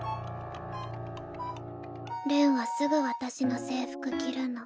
れんはすぐ私の制服着るの。